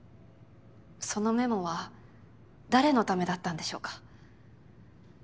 そのメモは誰のためだったんでしょうか？